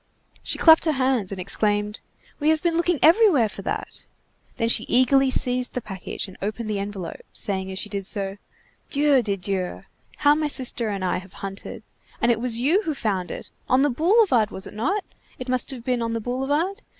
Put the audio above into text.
She clapped her hands and exclaimed:— "We have been looking everywhere for that!" Then she eagerly seized the package and opened the envelope, saying as she did so:— "Dieu de Dieu! how my sister and I have hunted! And it was you who found it! On the boulevard, was it not? It must have been on the boulevard?